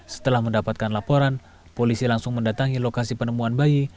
setelah mendapatkan laporan polisi langsung mendatangi lokasi penemuan bayi